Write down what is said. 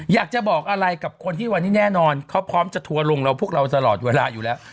อยากจะบอกอะไรกับคนที่วันนี้แน่นอนเขาพร้อมจะทัวร์ลงเราพวกเราตลอดเวลาอยู่แล้ว